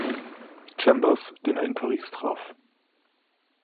Chambers, den er in Paris traf.